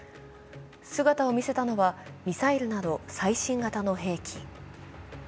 姿を見せたのはミサイルなど最新型の兵器。